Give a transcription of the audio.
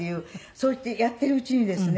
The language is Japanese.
そしてやってるうちにですね